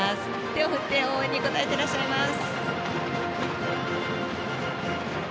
手を振って応援に応えていらっしゃいます。